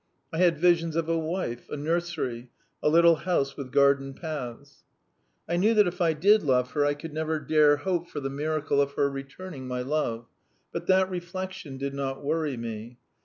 I had visions of a wife, a nursery, a little house with garden paths. ... I knew that if I did love her I could never dare hope for the miracle of her returning my love, but that reflection did not worry me.